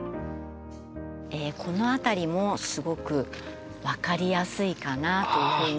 この辺りもすごく分かりやすいかなというふうに。